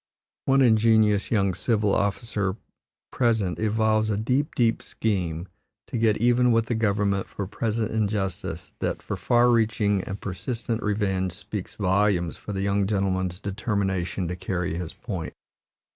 One ingenious young civil officer present evolves a deep, deep scheme to get even with the government for present injustice that for far reaching and persistent revenge speaks volumes for the young gentleman's determination to carry his point.